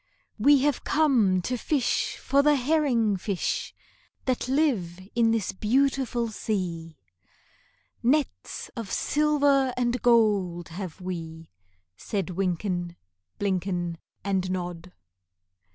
"We have come to fish for the herring fish That live in this beautiful sea; Nets of silver and gold have we," Said Wynken, Blynken, And Nod.